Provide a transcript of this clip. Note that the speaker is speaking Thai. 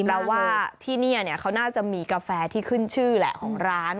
แปลว่าที่นี่เขาน่าจะมีกาแฟที่ขึ้นชื่อแหละของร้าน